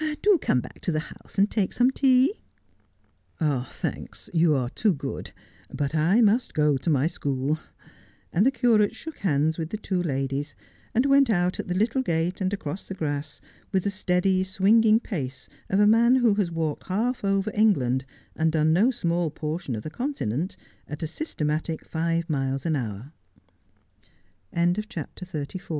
' Do come back to the house and take some tea.' ' I do not understand you, Morton.' 231 'Thanks, you are too good, but I must go to my school ;' and the curate shook hands with the two ladies, and went out at the little gate and across the grass with the steady, swinging pace of a man who has walked half over England and done no small portion of the Continent at a systematic five miles an ho